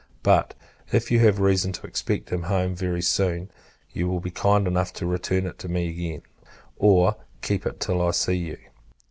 But, if you have reason to expect him home very soon, you will be kind enough to return it to me again; or, keep it till I see you.